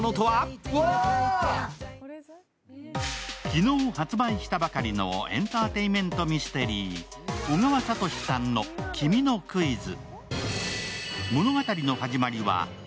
昨日発売したばかりのエンターテインメントミステリー、小川哲さんの「君のクイズ」。